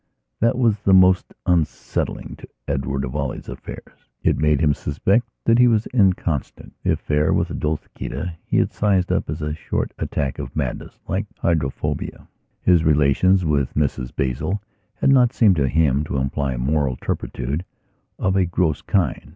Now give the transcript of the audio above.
That was the most unsettling to Edward of all his affairs. It made him suspect that he was inconstant. The affair with the Dolciquita he had sized up as a short attack of madness like hydrophobia. His relations with Mrs Basil had not seemed to him to imply moral turpitude of a gross kind.